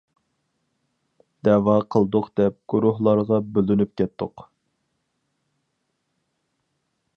دەۋا قىلدۇق دەپ گۇرۇھلارغا بۆلۈنۈپ كەتتۇق!